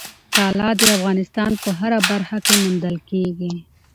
طلا د افغانستان په هره برخه کې موندل کېږي.